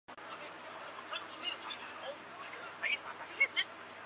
圣奥诺雷莱班人口变化图示